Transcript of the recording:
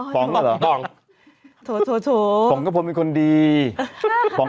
รู้ไหมปองมันหรอปอง